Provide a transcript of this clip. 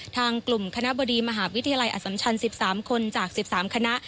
ทางกลุ่มคณะบดีมหาวิทยาลัยอสัมชัน๑๓คนจาก๑๓คณะ